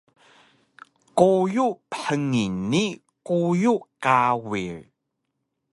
quyu bhngil ni quyu kawir